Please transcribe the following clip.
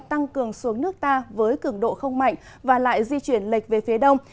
tăng cường xuống nước ta với cường độ không mạnh và lại di chuyển lệch về phía đông